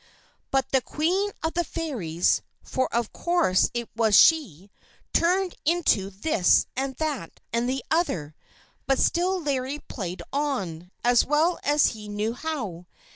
But the Queen of the Fairies for of course it was she turned into this and that and the other; but still Larry played on, as well as he knew how.